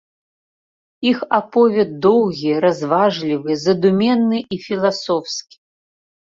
Іх аповед доўгі, разважлівы, задуменны і філасофскі.